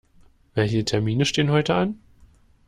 Welche Termine stehen heute an?